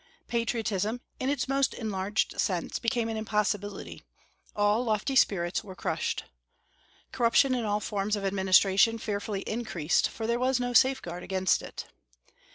Patriotism, in its most enlarged sense, became an impossibility; all lofty spirits were crushed. Corruption in all forms of administration fearfully increased, for there was no safeguard against it.